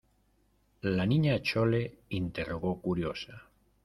la Niña Chole interrogó curiosa: